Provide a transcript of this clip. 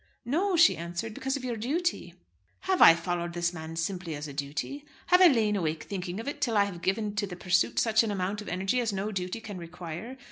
"No," she answered, "because of your duty." "Have I followed this man simply as a duty? Have I lain awake thinking of it till I have given to the pursuit such an amount of energy as no duty can require?